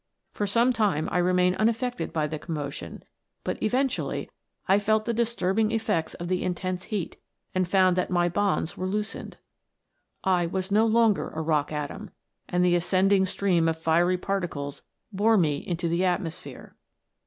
For some time I remained unaffected by the commotion, but eventually I felt the disturbing effects of the intense heat, and found that my bonds were loosened. I was no longer a rock atom, and the ascending stream of fiery particles bore me into the atmosphere.